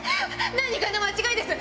何かの間違いです